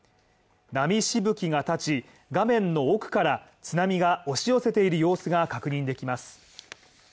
波しぶきが経ち、画面の奥から津波が押し寄せている様子が確認できます。